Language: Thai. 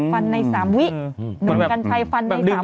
ฟันใน๓วิหนึ่งกันใช้ฟันใน๓วิดูดิ